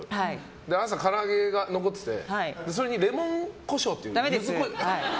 朝、から揚げが残っててそれにレモンコショウという。